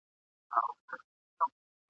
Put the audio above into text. ښکاري ولیده په تور کي زرکه بنده ..